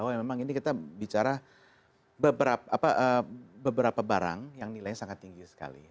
oh memang ini kita bicara beberapa barang yang nilainya sangat tinggi sekali